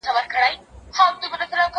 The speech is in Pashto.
زه سبا ته فکر کړی دی!؟